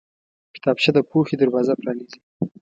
کتابچه د پوهې دروازه پرانیزي